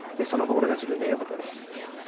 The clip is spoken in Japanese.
そのゴールが自分でよかったです。